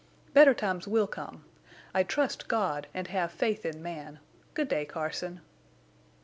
"Better times will come. I trust God and have faith in man. Good day, Carson."